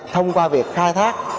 thông qua việc khai thác